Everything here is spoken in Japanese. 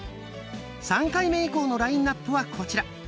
３回目以降のラインナップはこちら。